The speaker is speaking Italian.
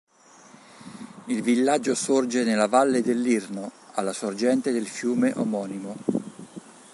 Il villaggio sorge nella Valle dell'Irno, alla sorgente del fiume omonimo.